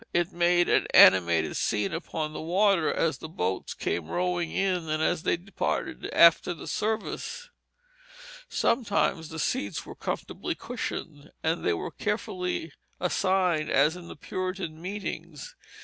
It made an animated scene upon the water, as the boats came rowing in and as they departed after the service. Sometimes the seats were comfortably cushioned, and they were carefully assigned as in the Puritan meetings.